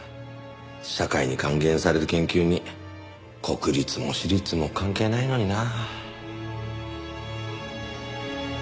社会に還元される研究に国立も私立も関係ないのにな。